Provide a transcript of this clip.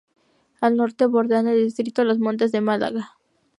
Al norte bordean el distrito los Montes de Málaga.